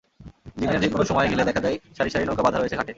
দিনের যেকোনো সময় গেলে দেখা যায় সারি সারি নৌকা বাঁধা রয়েছে ঘাটে।